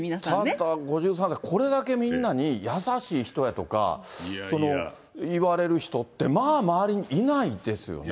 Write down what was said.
ただ、５３世、これだけみんなに優しい人やとか言われる人って、まあ、周りにいないですよね。